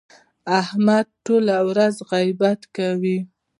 احمد ټوله ورځ غیبت کوي.